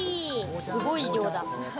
すごい量だ。